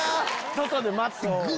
外で待ってぐ！